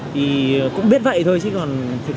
thì cũng biết vậy thôi chứ còn